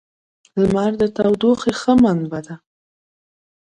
• لمر د تودوخې ښه منبع ده.